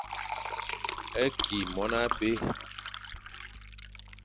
Ki mon abé.